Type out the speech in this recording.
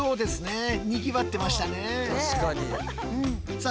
さあ